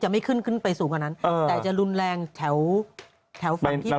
ไม่ขึ้นไปสูงกว่านั้นแต่จะรุนแรงแถวฝั่งที่เป็น